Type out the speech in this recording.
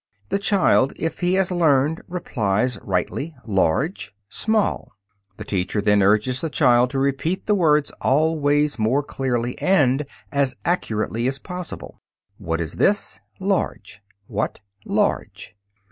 The child, if he has learned, replies rightly, "Large," "Small." The teacher then urges the child to repeat the words always more clearly and as accurately as possible. "What is it?" "Large." "What?" "Large."